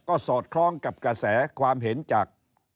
ก็สอดคล้องกับกระแสความเห็นจาก